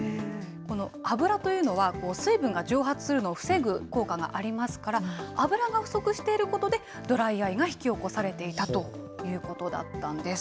この油というのは、水分が蒸発するのを防ぐ効果がありますから、油が不足していることで、ドライアイが引き起こされていたということだったんです。